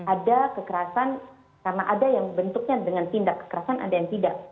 ada kekerasan karena ada yang bentuknya dengan tindak kekerasan ada yang tidak